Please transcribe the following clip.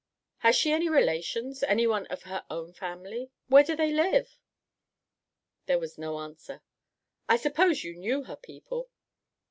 "Has she any relations, anyone of her own family? Where do they live?" There was no answer. "I suppose you knew her people?"